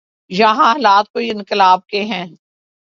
یہاں حالات کوئی انقلاب کے ہیں؟